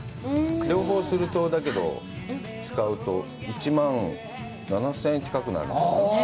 両方すると、だけど、使うと１万７０００円近くなる。